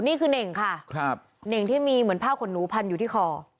นี่คือเน่งค่ะครับเน่งที่มีเหมือนผ้าขนหนูพันอยู่ที่คอ